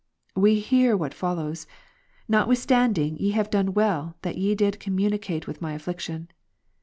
Hear we what follows : notwithstanding, ye have well done, that ye did ver. 14. communicate with my affliction.